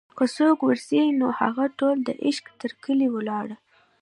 که څوک ور ځي نوهغه ټول دعشق تر کلي ولاړه